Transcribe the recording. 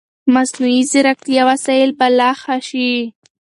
مصنوعي ځیرکتیا وسایل به لا ښه شي.